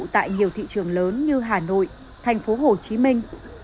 tại nhiều thị trường lớn như hà nội thành phố hồ chí minh